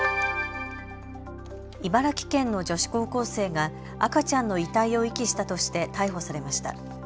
茨城県の女子高校生が赤ちゃんの遺体を遺棄したとして逮捕されました。